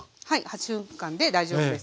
８分間で大丈夫です。